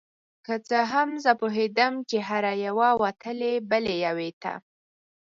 که څه هم زه پوهیدم چې هره یوه وتلې بلې یوې ته